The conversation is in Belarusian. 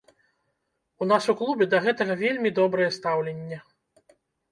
У нас у клубе да гэтага вельмі добрае стаўленне.